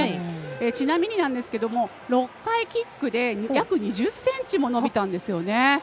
ちなみに６回キックで約２０ｃｍも伸びたんですよね。